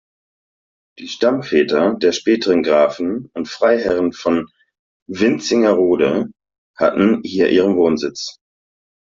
Die Stammväter der späteren Grafen und Freiherren von Wintzingerode hatten hier ihren Wohnsitz.